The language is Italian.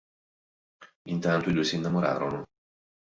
Intanto i due si innamorano.